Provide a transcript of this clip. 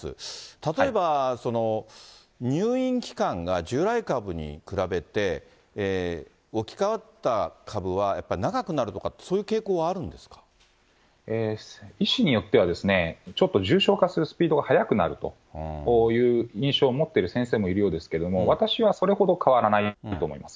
例えば入院期間が従来株に比べて、置き換わった株はやっぱり長くなるとかって、そういう傾向はある医師によっては、ちょっと重症化するスピードが速くなるという印象を持ってる先生もいるようですけれども、私はそれほど変わらないと思います。